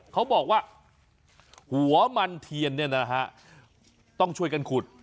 เขาบอกว่าหัวมันเทียนเนี่ยนะฮะต้องช่วยกันขุด